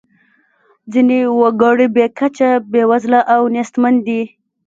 ځینې وګړي بې کچې بیوزله او نیستمن دي.